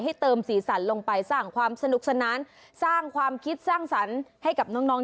เติมสีสันลงไปสร้างความสนุกสนานสร้างความคิดสร้างสรรค์ให้กับน้อง